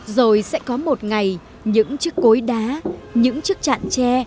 rồi sẽ có một ngày những chiếc cối đá những chiếc chạn tre